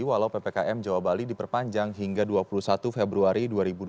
walau ppkm jawa bali diperpanjang hingga dua puluh satu februari dua ribu dua puluh